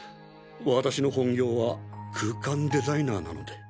私の本業は空間デザイナーなので。